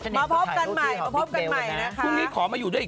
ฉันไม่มาฉันไม่มาแล้ว